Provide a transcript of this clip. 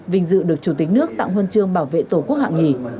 vinh dự được chủ tịch nước tặng huân chương bảo vệ tổ quốc hạng nhì